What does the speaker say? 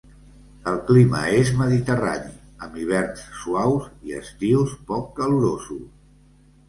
El clima és mediterrani amb hiverns suaus i estius poc calorosos.